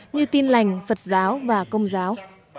như tin lành phật giáo và công giáo